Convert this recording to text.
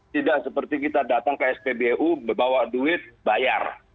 tidak seperti kita datang ke spbu bawa duit bayar